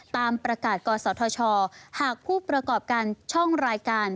ตามประกาศกศธชหากผู้ประกอบการช่องรายการ